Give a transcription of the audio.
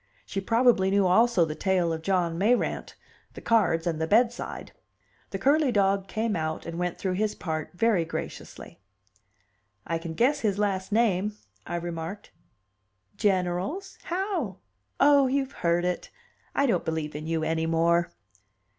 She probably knew also the tale of John Mayrant, the cards, and the bedside. The curly dog came out, and went through his part very graciously. "I can guess his last name," I remarked. "General's? How? Oh, you've heard it! I don't believe in you any more."